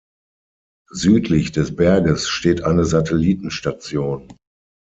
Südlich des Berges steht eine Satellitenstation.